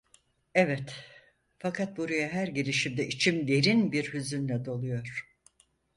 Evet, fakat buraya her gelişimde içim derin bir hüzünle doluyor!